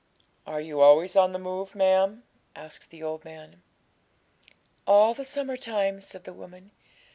'Are you always on the move, ma'am?' asked the old man. 'All the summer time,' said the woman.